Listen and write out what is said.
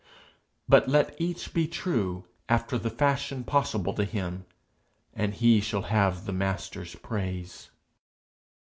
But let each be true after the fashion possible to him, and he shall have the Master's praise.